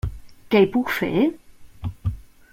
Què hi puc fer?